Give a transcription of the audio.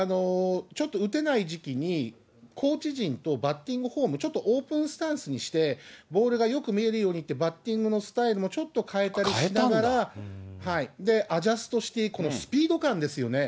ちょっと打てない時期に、コーチ陣とバッティングフォーム、ちょっとオープンスタンスにしてボールがよく見えるようになって、バッティングのスタイルもちょっと変えたりしながら、アジャストしていく、このスピード感ですよね。